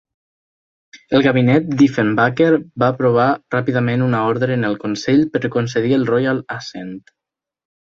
El gabinet Diefenbaker va aprovar ràpidament una ordre en el Consell per concedir el Royal Assent.